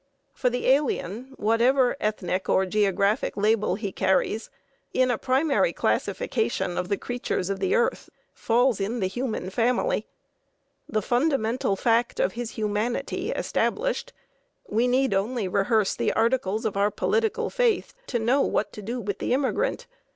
For the alien, whatever ethnic or geographic label he carries, in a primary classification of the creatures of the earth, falls in the human family. The fundamental fact of his humanity established, we need only rehearse the articles of our political faith to know what to do with the immigrant.